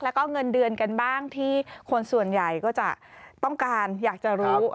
แล้วก็เงินเดือนกันบ้างที่คนส่วนใหญ่ก็จะต้องการอยากจะรู้